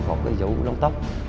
bà vượng nói với bà